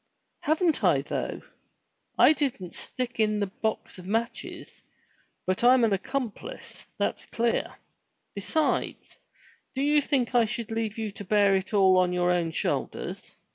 "Haven't I though? I didn't stick in the box of matches, but I'm an accomplice, that's clear. Besides, do you think I should leave you to bear it all on your own shoulders?